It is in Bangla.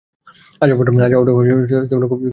আজ আবহাওয়াটা খুব সুন্দর, তাই না?